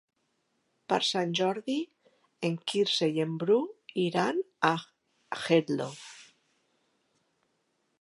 Per Sant Jordi en Quirze i en Bru iran a Geldo.